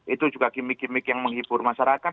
itu juga gimmick gimmick yang menghibur masyarakat